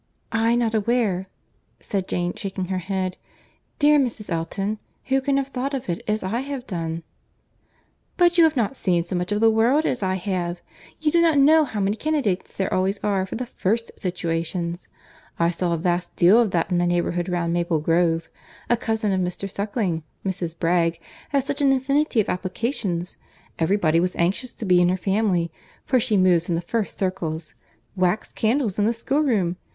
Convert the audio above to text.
"I not aware!" said Jane, shaking her head; "dear Mrs. Elton, who can have thought of it as I have done?" "But you have not seen so much of the world as I have. You do not know how many candidates there always are for the first situations. I saw a vast deal of that in the neighbourhood round Maple Grove. A cousin of Mr. Suckling, Mrs. Bragge, had such an infinity of applications; every body was anxious to be in her family, for she moves in the first circle. Wax candles in the schoolroom!